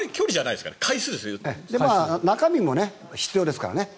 中身も必要ですからね。